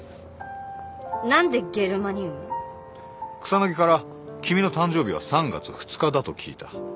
草薙から君の誕生日は３月２日だと聞いた。